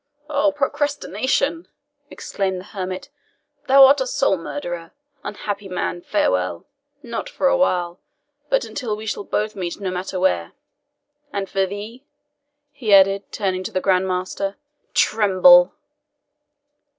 "O procrastination!" exclaimed the hermit, "thou art a soul murderer! Unhappy man, farewell not for a while, but until we shall both meet no matter where. And for thee," he added, turning to the Grand Master, "TREMBLE!"